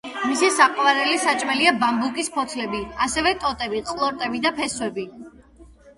მისი საყვარელი საჭმელია ბამბუკის ფოთლები, ასევე, ტოტები, ყლორტები და ფესვები.